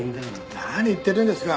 何言ってるんですか。